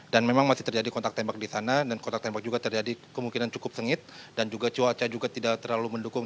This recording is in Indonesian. dan memang masih terjadi kontak tembak di sana dan kontak tembak juga terjadi kemungkinan cukup sengit dan juga cuaca juga tidak terlalu mendukung